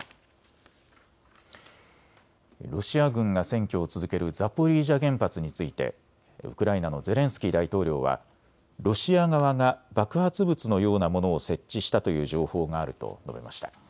ロシア軍が占拠を続けるザポリージャ原発についてウクライナのゼレンスキー大統領はロシア側が爆発物のようなものを設置したという情報があると述べました。